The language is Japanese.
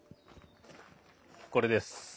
これです。